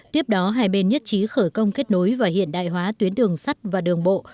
tiếp đó hai bên nhất trí khởi công kết nối và hiện đại hóa tuyến đường sắt và đường bộ